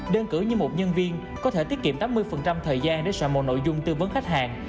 đơn cử như một nhân viên có thể tiết kiệm tám mươi thời gian để sợ một nội dung tư vấn khách hàng